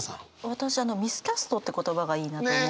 私あの「ミスキャスト」って言葉がいいなと思って。